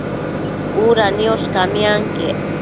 Uda niosh camianquiec